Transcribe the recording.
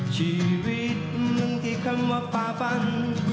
ชีวิตที่คำว่าฝ่าฟัน